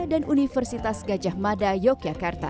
dan universitas gajah mada yogyakarta